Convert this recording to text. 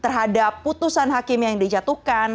terhadap putusan hakim yang dijatuhkan